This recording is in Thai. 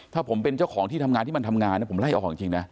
ถ้าผมเป็นเจ้าของที่ทำงานที่มันทำงานนะผมไล่ออกจริงนะ